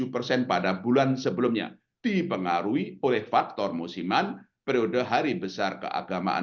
tujuh persen pada bulan sebelumnya dipengaruhi oleh faktor musiman periode hari besar keagamaan